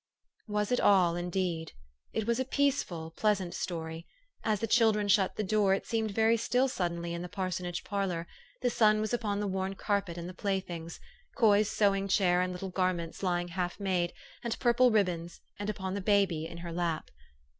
Was it all, indeed? It was a peaceful, pleasant story. As the children shut the door, it seemed very still suddenly in the parsonage parlor: the sun was upon the worn carpet and the playthings, Coy's sewing chair, and little garments lying half made, and purple ribbons, and upon the baby in her lap.